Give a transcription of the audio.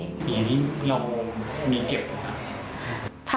อย่างนี้เรามีเก็บไหมคะ